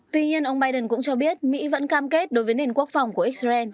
tuy nhiên ông biden cũng cho biết mỹ vẫn cam kết đối với nền quốc phòng của israel